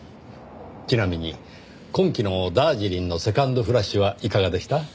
ちなみに今季のダージリンのセカンドフラッシュはいかがでした？